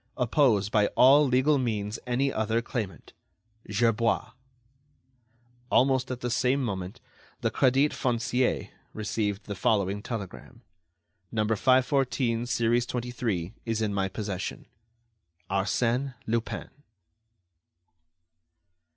Oppose by all legal means any other claimant. "GERBOIS." Almost at the same moment, the Crédit Foncier received the following telegram: "No. 514, series 23, is in my possession. "ARSÈNE LUPIN."